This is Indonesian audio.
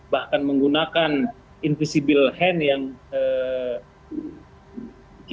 bahkan menggunakan invisible hand yang kita duga untuk menghalangi